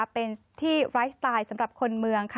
เป็นที่ไลฟ์สไตล์สำหรับคนเมือง